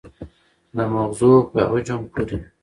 د مغزو په حجم پورې